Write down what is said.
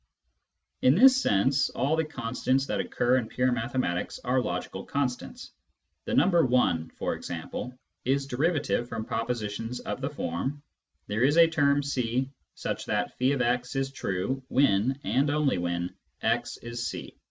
In this sense all the " constants " that occur in pure mathe matics are logical constants. The number I, for example, is derivative from propositions of the form :" There is a term c such that <f>x is true when, and only when, x is c."